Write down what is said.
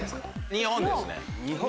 日本ですね。